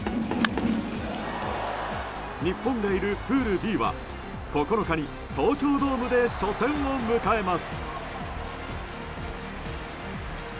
日本がいる、プールＢは９日に東京ドームで初戦を迎えます。